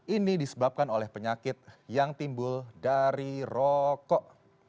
ini disebabkan oleh penyakit yang timbul dari rokok